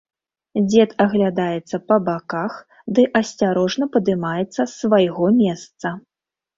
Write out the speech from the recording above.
Дзед аглядаецца па баках ды асцярожна падымаецца з свайго месца.